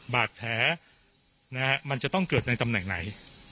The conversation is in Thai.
บาดแผลมันจะต้องเกิดในตำแหน่งไหน